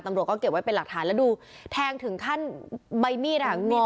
ตำรวจก็เก็บไว้เป็นหลักฐานแล้วดูแทงถึงขั้นใบมีดอ่ะงอ